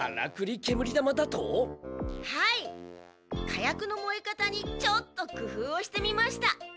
火薬のもえ方にちょっと工夫をしてみました。